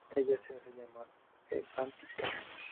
Ella se hace llamar el "Anti K"'.